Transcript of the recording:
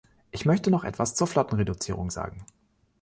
Ich möchte noch etwas zur Flottenreduzierung sagen.